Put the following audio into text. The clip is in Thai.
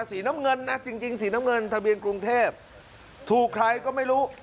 สีน้ำเงินนะจริงสีน้ำเงินทะเบียนกรุงเทพถูกใครก็ไม่รู้